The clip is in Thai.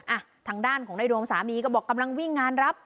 อ่ะทางด้านของในดวงสามีก็บอกกำลังวิ่งงานรับ